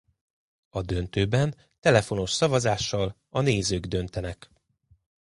A döntőben telefonos szavazással a nézők döntenek.